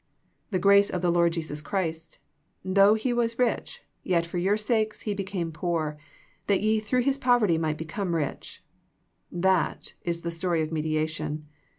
" The grace of the Lord Jesus Christ," " though He was rich, yet for your sakes He became poor, that ye through His poverty might become rich." That is the story of mediation.